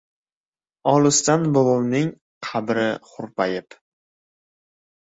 Olisda, bobomning qabri hurpayib